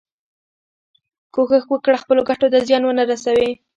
کوښښ وکړه خپلو ګټو ته زیان ونه رسوې.